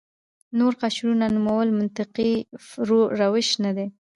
نور قشرونو نومول منطقي روش نه دی.